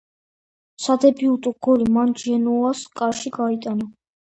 სადებიუტო გოლი მან ჯენოას კარში გაიტანა.